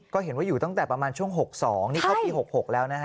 ก็เห็นว่าอยู่ตั้งแต่ประมาณช่วง๖๒นี่เข้าปี๖๖แล้วนะฮะ